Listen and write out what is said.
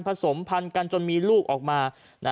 สมพันธุ์กันจนมีลูกออกมา